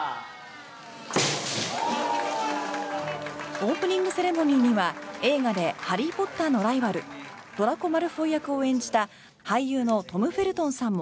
オープニングセレモニーには映画でハリー・ポッターのライバルドラコ・マルフォイ役を演じた俳優のトム・フェルトンさんも